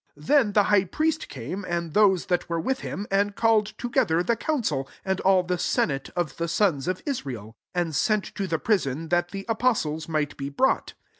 Then the high priest came, and those that were with him, and called together the council, and all the senate of the sons of Israel ; and sent to the prison, that the afiffetiea might be brought.